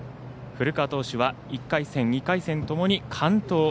古川投手は１回戦、２回戦ともに完投。